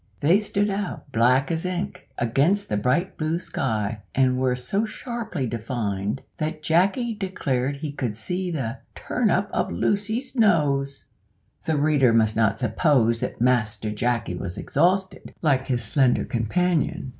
They stood out, black as ink, against the bright blue sky, and were so sharply defined that Jacky declared he could see the "turn up of Lucy's nose." The reader must not suppose that Master Jacky was exhausted, like his slender companion.